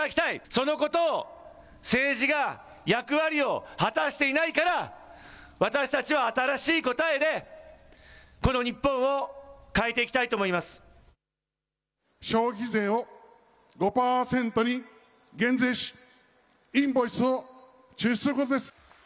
そのことを政治が役割を果たしていないから、私たちは新しい答えでこの日本を変えていきたいと消費税を５％に減税し、インボイスを中止することです。